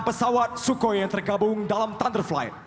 pesawat sukhoi yang tergabung dalam thunder flight